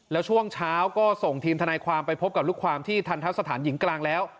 แล้วช่วงเช้าก็ส่งทีมทนายความไปพบกับลูกความที่ทันทะสถานหญิงกลางแล้ว